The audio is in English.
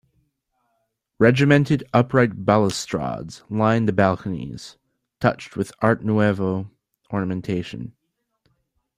Regimented upright balustrades line the balconies, touched with Art Nouveau ornamentation.